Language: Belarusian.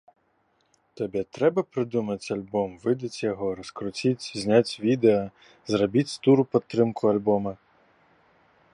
Табе трэба прыдумаць альбом, выдаць яго, раскруціць, зняць відэа, зрабіць тур у падтрымку альбома?